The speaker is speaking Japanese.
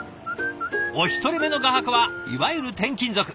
お一人目の画伯はいわゆる転勤族。